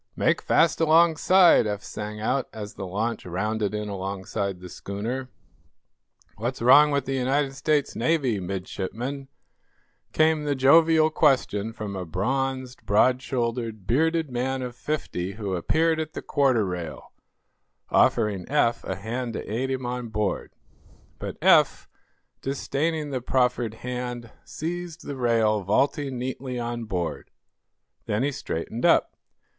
"Make fast alongside!" Eph sang out, as the launch rounded in alongside the schooner. "What's wrong with the United States Navy, Midshipman?" came the jovial question from a bronzed, broad shouldered, bearded man of fifty who appeared at the quarter rail, offering Eph a hand to aid him on board. But Eph, disdaining the proffered hand, seized the rail, vaulting neatly on board. Then he straightened up.